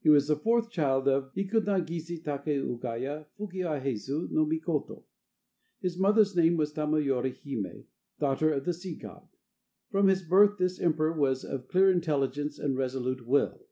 He was the fourth child of Hiko nagisa take ugaya fuki ahezu no Mikoto. His mother's name was Tama yori hime, daughter of the sea god. From his birth this emperor was of clear intelligence and resolute will.